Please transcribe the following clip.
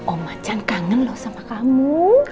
om macan kangen loh sama kamu